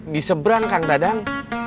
di seberang kang dadang